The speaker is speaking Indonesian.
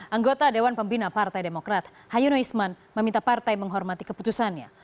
anggota dewan pembina partai demokrat hayono isman meminta partai menghormati keputusannya